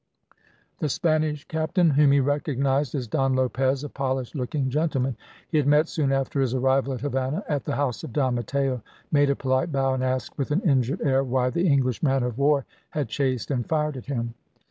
The Spanish captain, whom he recognised as Don Lopez, a polished looking gentleman he had met soon after his arrival at Havannah, at the house of Don Matteo, made a polite bow, and asked with an injured air why the English man of war had chased and fired at him.